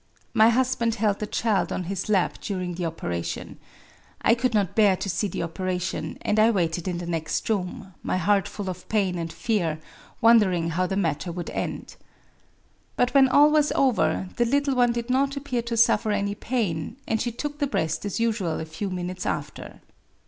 My husband held the child on his lap dur ing the operation. I could not bear to see the operation ; and I waited in the next room, my heart full of pain and fear, wondering how the matter would end. But [when all was over] the little one did not appear to suffer any pain 'f and she took the breast as usual a few minutes after.